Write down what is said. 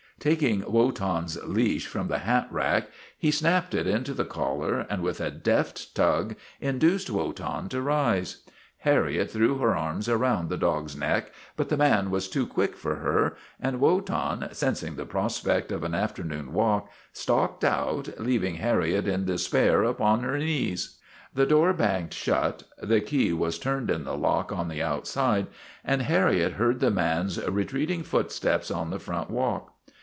Taking Wotan's leash from the hat rack he snapped it into the collar, and with a deft tug in duced W'otan to rise. Harriet threw her arms about the dog's neck, but the man was too quick for her, and Wotan, sensing the prospect of an after noon walk, stalked out, leaving Harriet in despair WOTAN, THE TERRIBLE 231 upon her knees. The door banged shut, the key was turned in the lock on the outside, and Harriet heard the man's retreating footsteps on the front walk.